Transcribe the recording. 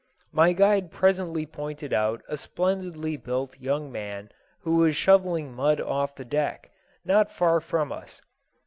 My guide presently pointed out a splendidly built young man who was shoveling mud off the deck, not far from us.